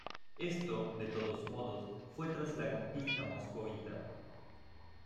Esto, de todos modos, fue tras la conquista moscovita.